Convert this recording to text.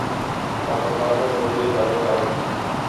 پاکستان میں جمہوری ادارے قائم ہیں۔